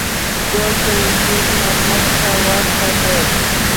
ګل د وجود نرمښت ته ورته دی.